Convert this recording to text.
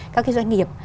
các cái doanh nghiệp